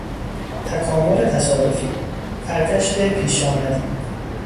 تکامل تصادفی، فرگشت پیشامدی